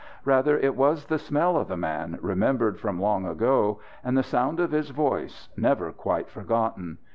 Rather it was the smell of the man, remembered from long ago, and the sound of his voice, never quite forgotten.